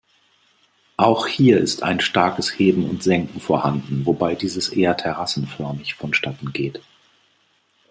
Auch hier ist ein starkes Heben und Senken vorhanden, wobei dieses eher terrassenförmig vonstattengeht.